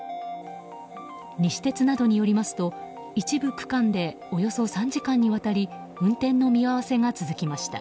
西鉄などによりますと一部区間でおよそ３時間にわたり運転の見合わせが続きました。